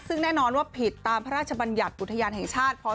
ซึ่งแน่นอนว่าผิดตามพระราชบัญญัติอุทยานแห่งชาติ